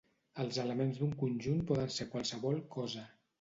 Els elements d'un conjunt poden ser qualsevol cosa.